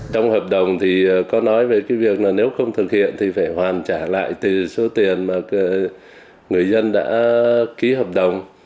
trong hợp đồng thì có nói về cái việc là nếu không thực hiện thì phải hoàn trả lại từ số tiền mà người dân đã ký hợp đồng